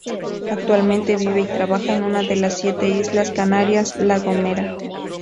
Actualmente vive y trabaja en una de las siete Islas Canarias: La Gomera.